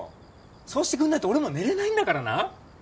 そうしてくんないと俺も寝れないんだからな！